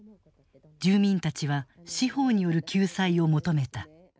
住民たちは司法による救済を求めた。